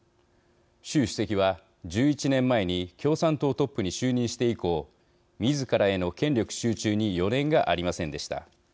習主席は１１年前に共産党トップに就任して以降みずからへの権力集中に余念がありませんでした。